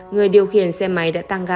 người điều khiển xe máy đã tăng ra bỏ chạy